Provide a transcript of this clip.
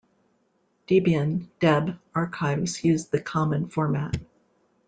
Debian ".deb" archives use the common format.